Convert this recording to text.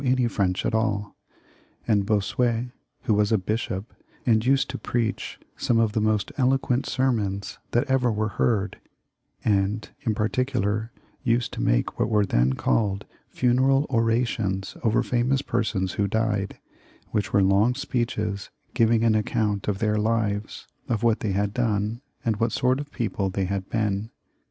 ■■■— I —■ I ■ any French at all ; and Bossuet, who was a bishop,* and used to preach some of the most eloquent sermons that ever were heard, and in particular, used to make what were then called funeral orations over any famous person who died, which were long speeches giving an account of their lives, of what they had done, and what sort of people they had been.